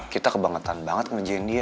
kita kebangetan banget ngerjain dia